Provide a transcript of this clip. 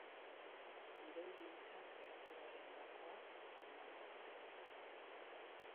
Gidoigintza kreatiboaren gakoak emango dute.